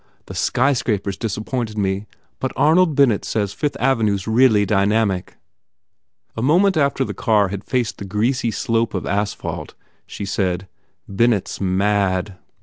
The sky scrapers disappointed me but Arnold Bennett says Fifth Avenue s really dynamic." A moment after when the car faced the greasy slope of asphalt she said, "Bennett s mad."